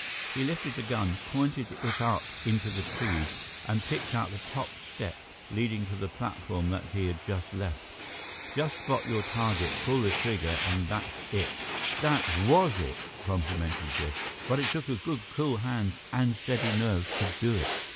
He lifted the gun, pointed it up into the trees and picked out the top step leading to the platform that he had just left. "Just spot your target, pull the trigger, and that's it." "That was it," complimented Biff, "but it took a good cool hand and steady nerves to do it."